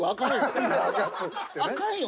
あかんよ。